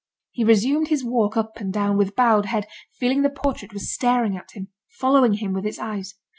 He resumed his walk up and down, with bowed head, feeling the portrait was staring at him, following him with its eyes.